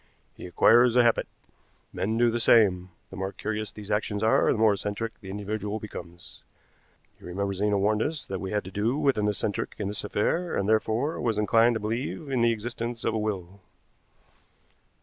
He acquires a habit. Men do the same. The more curious these actions are, the more eccentric the individual becomes. You remember Zena warned us that we had to do with an eccentric in this affair, and therefore was inclined to believe in the existence of a will."